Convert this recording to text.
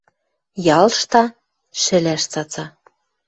Ялшта, шӹлӓш цаца.